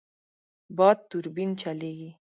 باد توربین چلېږي.